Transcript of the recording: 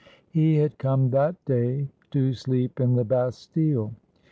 He had come that day to sleep in the Bastile.